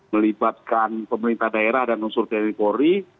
melibatkan pemerintah daerah dan unsur teritori